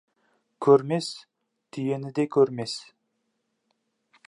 Көрмес түйені де көрмес.